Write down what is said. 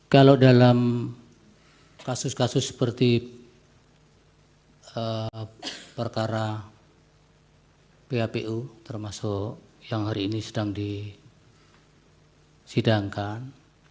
kalau dalam kasus kasus seperti perkara phpu termasuk yang hari ini sedang disidangkan